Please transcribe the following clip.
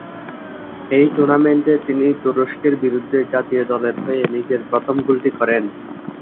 এই টুর্নামেন্টে তিনি তুরস্কের বিরুদ্ধে জাতীয় দলের হয়ে নিজের প্রথম গোলটি করেন।